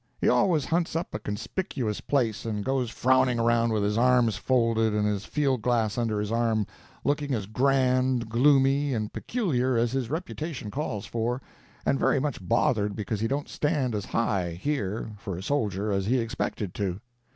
He always hunts up a conspicuous place, and goes frowning around with his arms folded and his field glass under his arm, looking as grand, gloomy and peculiar as his reputation calls for, and very much bothered because he don't stand as high, here, for a soldier, as he expected to."